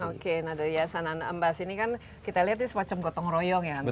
oke dari yayasan anambas ini kan kita lihat ini semacam gotong royong ya